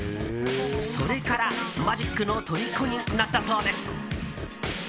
それからマジックのとりこになったそうです。